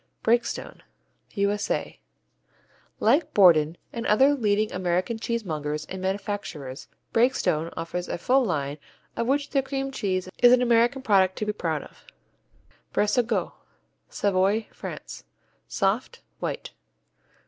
Breakstone U.S.A. Like Borden and other leading American cheesemongers and manufacturers, Breakstone offer a full line, of which their cream cheese is an American product to be proud of. Brésegaut Savoy, France Soft, white.